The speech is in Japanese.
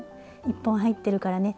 １本入ってるからね